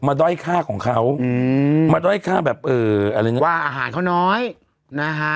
ด้อยค่าของเขาอืมมาด้อยค่าแบบเอ่ออะไรอย่างเงี้ว่าอาหารเขาน้อยนะฮะ